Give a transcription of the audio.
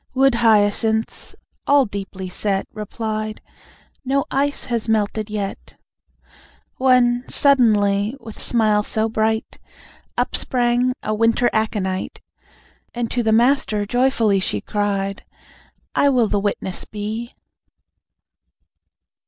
Wood Hyacinths, all deeply set, Replied: "No ice has melted yet." When suddenly, with smile so bright, Up sprang a Winter Aconite, And to the Master joyfully She cried: "I will the witness be."